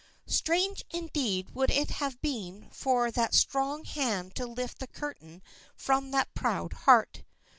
Strange indeed would it have been for that strong hand to lift the curtain from that proud heart.